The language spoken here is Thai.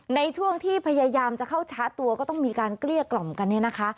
ในช่วงที่พยายามจะเข้าชาร์จตัวก็ต้องมีการเกลี้ยกล่อมกันเนี่ยนะคะ